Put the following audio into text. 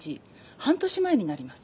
半年前になります。